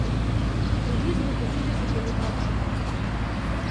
Кругі замітусіліся перад вачыма.